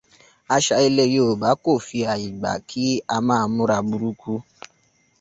Àṣà ilẹ̀ Yorùbá kò fi àyè gba kí á ma múra burúkú.